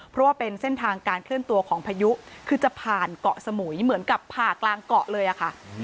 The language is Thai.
เพราะว่าเป็นเส้นทางการเคลื่อนตัวของพายุคือจะผ่านเกาะสมุยเหมือนกับผ่ากลางเกาะเลยอะค่ะ